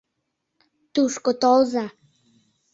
Тушко толза.